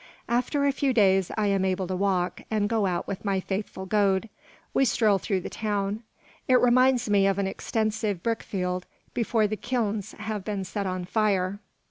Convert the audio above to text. After a few days I am able to walk, and go out with my faithful Gode. We stroll through the town. It reminds me of an extensive brick field before the kilns have been set on fire.